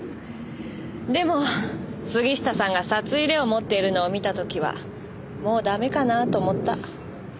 でも杉下さんが札入れを持っているのを見た時はもうダメかなぁと思った。